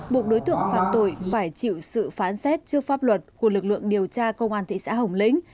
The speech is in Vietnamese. buộc đối tượng phạm tội phải chịu sự phán xét trước pháp luật của lực lượng điều tra công an thị xã hồng lĩnh